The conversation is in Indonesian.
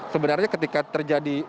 sebenarnya ketika terjadi